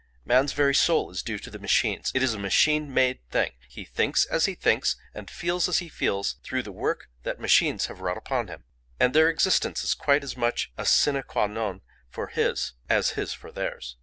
Man's very soul is due to the machines; it is a machine made thing: he thinks as he thinks, and feels as he feels, through the work that machines have wrought upon him, and their existence is quite as much a sine quâ non for his, as his for theirs.